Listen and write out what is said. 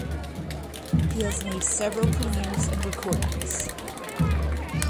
He has made several premieres and recordings.